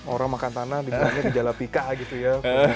orang makan tanah dengan gejala pika gitu ya